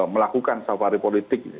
melakukan safari politik